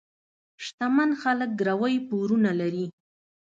شتمن خلک ګروۍ پورونه لري.